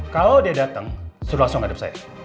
kalau dia datang sudah langsung hadap saya